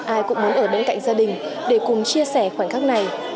ai cũng muốn ở bên cạnh gia đình để cùng chia sẻ khoảnh khắc này